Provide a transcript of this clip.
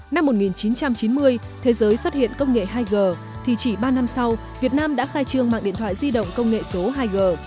năm một nghìn chín trăm chín mươi thế giới xuất hiện công nghệ hai g thì chỉ ba năm sau việt nam đã khai trương mạng điện thoại di động công nghệ số hai g